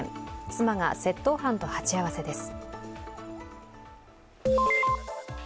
妻が窃盗犯と鉢合わせです。